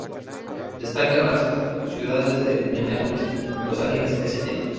Destacan las ciudades de Minneapolis, Los Angeles, St.